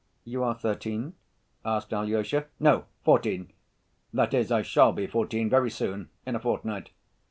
"You are thirteen?" asked Alyosha. "No, fourteen—that is, I shall be fourteen very soon, in a fortnight.